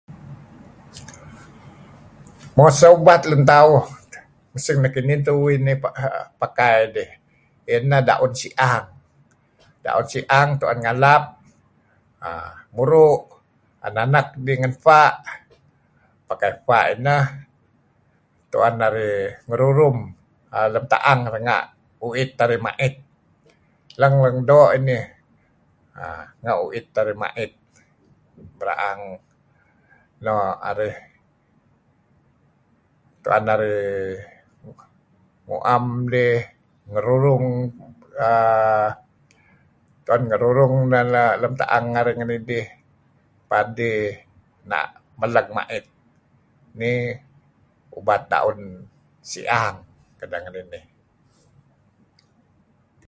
Mo sah ubat lun tau masing nekinih uih inih pakai idih iyeh neh daun Si-ang. Daun Si'ang tuen ngalap muru' idih tuen nanek pakai pa' ineh tuen narih ngerurum lem taang narih renga' uit arih mait. Lang-lang doo' inih. Nga' uit narih mait. Beraang noh arih nuem idih ngerurung uhm neh lem taang narih ngen idih dih maleg mait. Nih ubat Daun Si-ang.